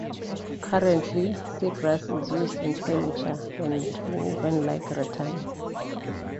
Currently, seagrass is used in furniture, and woven like rattan.